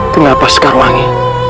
kenapa sekarang wangi